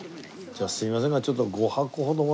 じゃあすいませんがちょっとアハハハ。